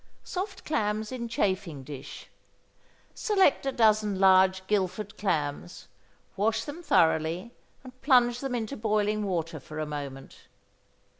=Soft Clams in Chafing Dish.= Select a dozen large Guilford clams, wash them thoroughly, and plunge them into boiling water for a moment.